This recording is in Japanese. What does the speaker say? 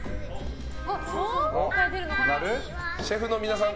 シェフの皆さん